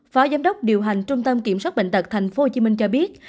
phó giám đốc điều hành trung tâm kiểm soát bệnh tật tp hcm cho biết